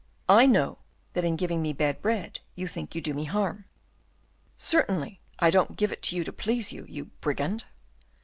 I know that in giving me bad bread you think you do me harm." "Certainly; I don't give it you to please you, you brigand."